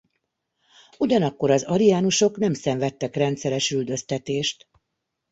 Ugyanakkor az ariánusok nem szenvedtek rendszeres üldöztetést.